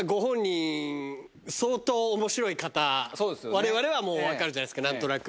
われわれは分かるじゃないですか何となく。